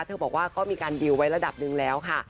บอกว่าก็มีการดีลไว้ระดับหนึ่งแล้วค่ะ